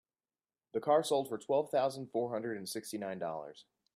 The car sold for twelve thousand four hundred and sixty nine Dollars.